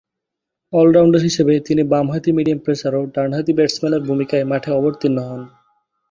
All-rounder হিসেবে তিনি বামহাতি মিডিয়াম পেসার ও ডানহাতি ব্যাটসম্যানের ভূমিকায় মাঠে অবতীর্ণ হন।